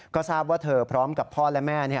ก็ทราบว่าเธอพร้อมกับพ่อและแม่